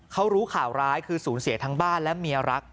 เขารู้ข่าวร้ายคือสูญเสียทั้งบ้านและเมียรัก